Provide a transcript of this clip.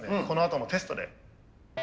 このあとのテストで。